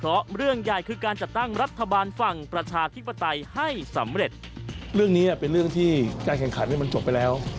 เรื่องนี้เป็นเรื่องที่การแข่งขันมันจบไปแล้ว